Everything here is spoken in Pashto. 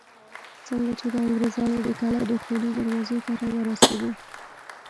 څنګه چې د انګرېزانو د کلا دخولي دروازې ته راورسېدو.